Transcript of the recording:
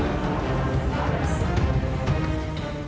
seorang pengemudi taksi adu mulut dengan penumpang